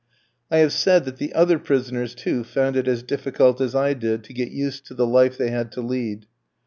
I have said that the other prisoners, too, found it as difficult as I did to get used to the life they had to lead.